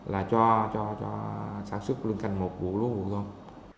là cho sản xuất lương canh một vụ lúa vụ thông